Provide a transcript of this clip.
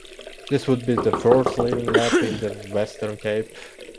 This would be the first Living Lab in the Western Cape.